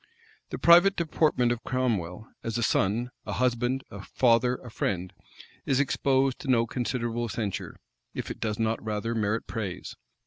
The private deportment of Cromwell, as a son, a husband, a father, a friend, is exposed to no considerable censure, if it does not rather merit praise.